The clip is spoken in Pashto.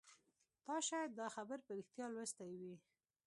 تا شاید دا خبر په ریښتیا لوستی وي